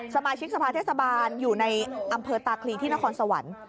สมาชิกสภาเทศบาลอยู่ในอำเภอตาคลีที่นครสวรรค์